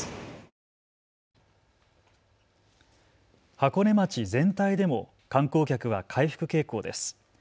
箱根町全体でも観光客は回復傾向です。